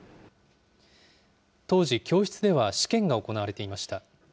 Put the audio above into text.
当時、教室では試験が行われていました。